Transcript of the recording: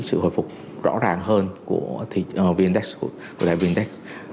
sự hồi phục rõ ràng hơn của vindex